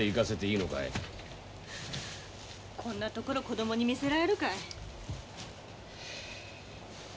こんなところ子供に見せられるかい。